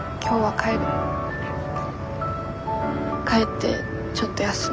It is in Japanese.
帰ってちょっと休む。